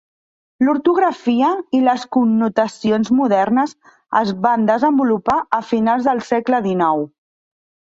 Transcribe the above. L'ortografia i les connotacions modernes es van desenvolupar a finals del segle XIX.